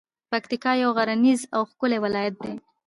پکتیکا یو غرنیز او ښکلی ولایت ده.